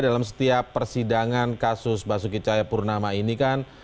dalam setiap persidangan kasus bahasukicaya purnama ini kan